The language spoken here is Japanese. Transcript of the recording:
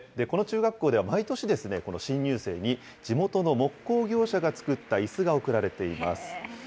この中学校では毎年、この新入生に地元の木工業者が作ったいすが贈られています。